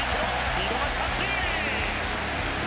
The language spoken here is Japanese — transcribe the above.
見逃し三振。